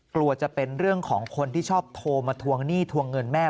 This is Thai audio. กลัวจะเป็นเรื่องของคนที่ชอบโทรมาทวงหนี้ทวงเงินแม่